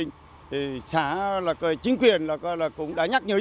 những vị trí đục qua thân đê cũng đã được khắc phục